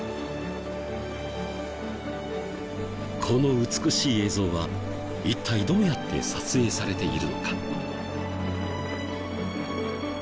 この美しい映像は一体どうやって撮影されているのか。